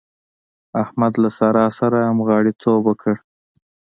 احمد له سارا سره همغاړيتوب وکړ.